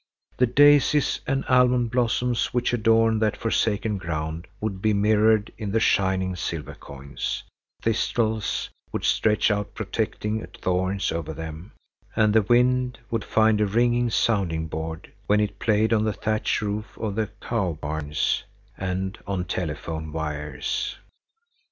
The daisies and almond blossoms which adorn that forsaken ground would be mirrored in the shining silver coins; thistles would stretch out protecting thorns over them, and the wind would find a ringing sounding board when it played on the thatched roof of the cow barns and on telephone wires.